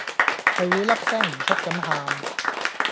係會粒聲唔出咁喊